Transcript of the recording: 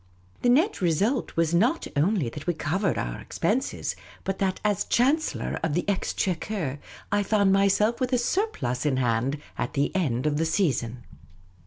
The net re sult was not only that we covered our expenses, but that, as chancellor of the exchequer, I found myself with a surplus in hand at the end of the season.